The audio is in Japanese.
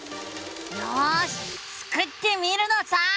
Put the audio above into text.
よしスクってみるのさ！